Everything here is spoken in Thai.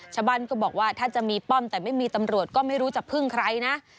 ชาวบ้านก็บอกว่าถ้าจะมีป้อมแต่ไม่มีตำรวจก็ไม่รู้จะพึ่งใครนะ